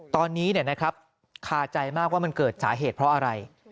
ตอนนี้คาใจมากว่ามันเกิดสาเหตุเพราะอะไร